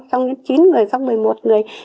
xong chín người xong một mươi một người